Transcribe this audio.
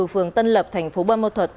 phường tân lợi tp bơ ma thuật